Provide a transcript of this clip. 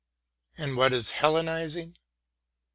And vyhat is Hel lenising ?